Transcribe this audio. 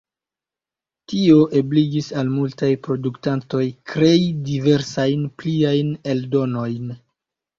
Tio ebligis al multaj produktantoj krei diversajn pliajn eldonojn.